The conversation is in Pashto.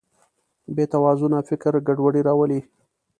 بېتوازنه فکر ګډوډي راولي.